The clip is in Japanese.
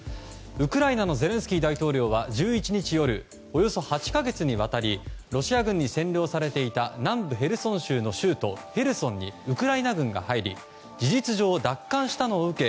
ウクライナのゼレンスキー大統領は１１日夜およそ８か月にわたりロシア軍に占領されていた南部ヘルソン州の州都ヘルソンにウクライナ軍が入り事実上、奪還したのを受け